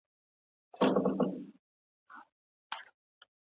ښه انسان تل حوصله ساتي